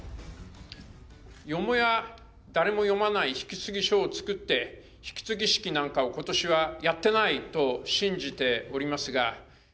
よもや誰も読まない引き継ぎ書を作って、引き継ぎ式なんかをことしはやってないと信じておりますが。